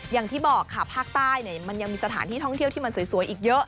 อย่างที่บอกค่ะภาคใต้มันยังมีสถานที่ท่องเที่ยวที่มันสวยอีกเยอะ